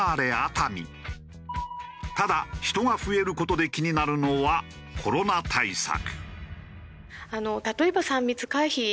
ただ人が増える事で気になるのはコロナ対策。